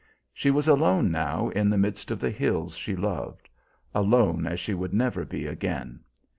She was alone, now, in the midst of the hills she loved alone as she would never be again.